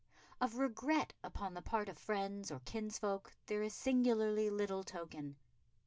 Of regret upon the part of friends or kinsfolk there is singularly little token.